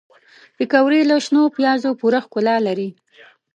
پکورې له شنو پیازو پوره ښکلا لري